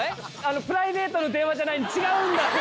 プライベートの電話じゃない違うんだ！